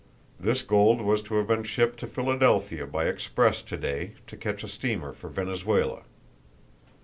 This gold was to have been shipped to Philadelphia by express to day to catch a steamer for Venezuela."